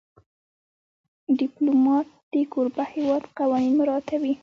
ډيپلومات د کوربه هېواد قوانین مراعاتوي.